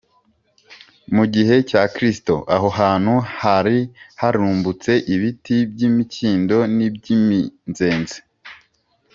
mu gihe cya kristo, aho hantu hari harumbutse ibiti by’imikindo n’iby’iminzenze